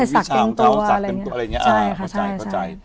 สักเป็นตัวอะไรอย่างนี้